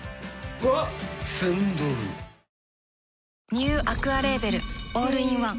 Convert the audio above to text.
ニューアクアレーベルオールインワン